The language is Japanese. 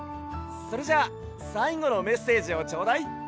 それじゃあさいごのメッセージをちょうだい！